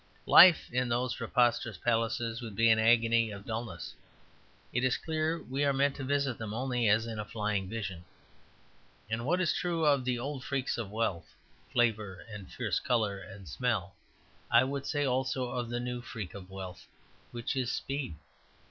Life in those preposterous palaces would be an agony of dullness; it is clear we are meant to visit them only as in a flying vision. And what is true of the old freaks of wealth, flavour and fierce colour and smell, I would say also of the new freak of wealth, which is speed.